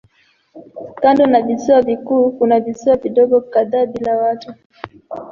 Kando ya kisiwa kikuu kuna visiwa vidogo kadhaa bila watu.